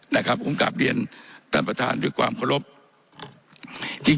นะครับผมกลับเรียนท่านประธานด้วยความขอบคุณ